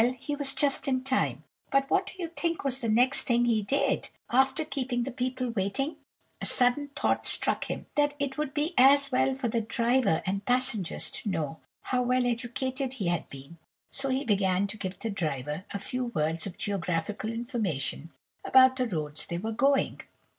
he was just in time; but what do you think was the next thing he did, after keeping the people waiting? A sudden thought struck him, that it would be as well for the driver and passengers to know how well educated he had been, so he began to give the driver a few words of geographical information about the roads they were going.